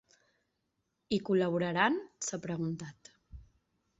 Hi col·laboraran?, s’ha preguntat.